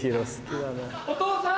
お父さん！